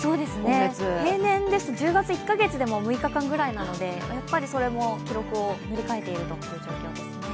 平年ですと１０月、６日間くらいなのでやっぱりそれも記録を塗り替えているという状況ですね。